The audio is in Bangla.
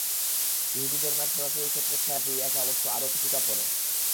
ইহুদি ধর্মের সরাসরি ছত্রচ্ছায়ায় তাঁর ফিরে আসা অবশ্য আরও কিছুটা পরে।